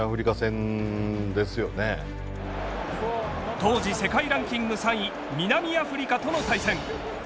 当時世界ランキング３位南アフリカとの対戦。